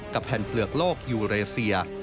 แผ่นเปลือกโลกยูเรเซีย